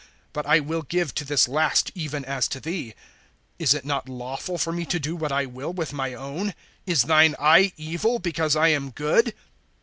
But I will give to this last, even as to thee. (15)Is it not lawful for me to do what I will with my own? Is thine eye evil, because I am good?